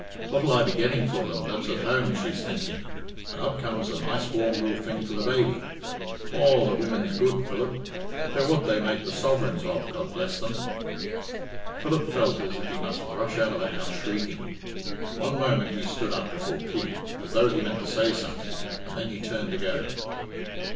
'What'll I be getting for them that's at home?' she's thinking, and up comes a nice warm lil thing for the baby. Aw, the women's good, Philip. They're what they make the sovereigns of, God bless them!" Philip felt as if he must rush out of the house shrieking. One moment he stood up before Pete, as though he meant to say something, and then he turned to go.